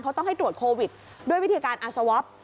เขาต้องให้ตรวจโควิดด้วยวิธีการอสวอป